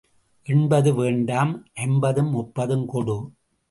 எண்பது வேண்டாம் ஐம்பதும் முப்பதும் கொடு.